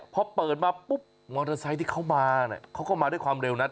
พอเปิดมาปุ๊บมอเตอร์ไซค์ที่เขามาเขาก็มาด้วยความเร็วนัด